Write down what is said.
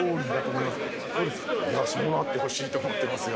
いや、そうなってほしいと思ってますよ。